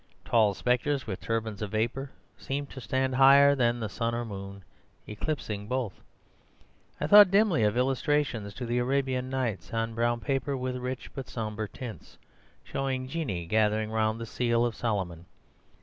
Tall spectres with turbans of vapour seemed to stand higher than the sun or moon, eclipsing both. I thought dimly of illustrations to the 'Arabian Nights' on brown paper with rich but sombre tints, showing genii gathering round the Seal of Solomon.